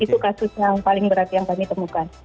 itu kasus yang paling berat yang kami temukan